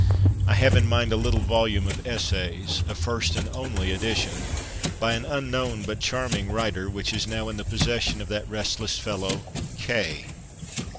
I have in mind a little volume of essays — a first and only edition — by an unknown but charming writer, which is now in the possession of that restless fellow K